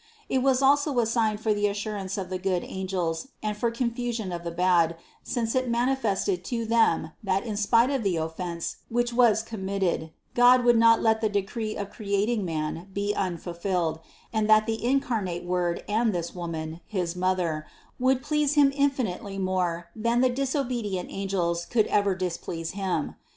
It was also a sign for the assurance of the good angels and for confusion of the bad, since it manifested to them that in spite of the offense which was commit ted, God would not let the decree of creating man be un fulfilled, and that the incarnate Word and this Woman, his Mother, would please Him infinitely more than the disobedient angels could ever displease Him.